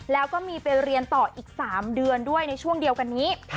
แล้วก็มีไปเรียนต่ออีก๓เดือนด้วยในช่วงเดียวกันนี้